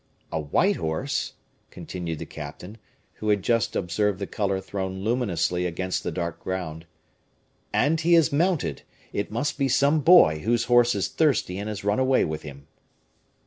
"A white horse," continued the captain, who had just observed the color thrown luminously against the dark ground, "and he is mounted; it must be some boy whose horse is thirsty and has run away with him."